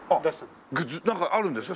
なんかあるんですか？